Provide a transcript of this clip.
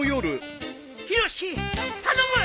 ヒロシ頼む。